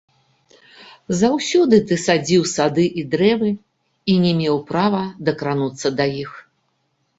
Заўсёды ты садзіў сады і дрэвы і не меў права дакрануцца да іх.